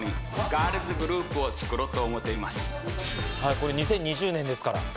これ、２０２０年ですから。